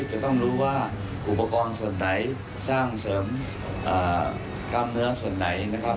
จะต้องรู้ว่าอุปกรณ์ส่วนไหนสร้างเสริมกล้ามเนื้อส่วนไหนนะครับ